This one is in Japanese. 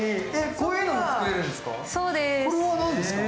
こういうのも作れるんですか？